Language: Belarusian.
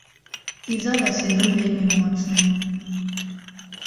І зараз іду вельмі моцным.